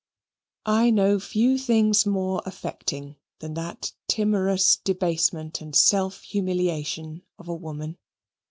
I know few things more affecting than that timorous debasement and self humiliation of a woman.